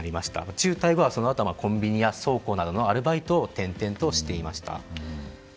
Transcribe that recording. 中退後は、そのあとはコンビニや倉庫などのアルバイトを転々としていました。